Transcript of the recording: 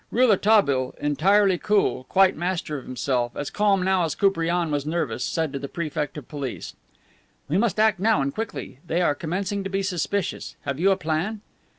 Rouletabille, entirely cool, quite master of himself, as calm now as Koupriane was nervous, said to the Prefect of Police: "We must act now, and quickly. They are commencing to be suspicious. Have you a plan?"